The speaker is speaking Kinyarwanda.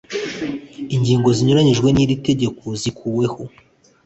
ingingo zinyuranyije n’iri tegeko zikuweho